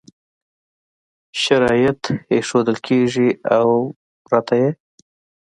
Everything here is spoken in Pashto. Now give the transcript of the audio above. شرط ایښودل کېږي او پرته یې